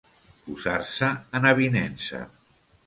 Posar-se en avinença.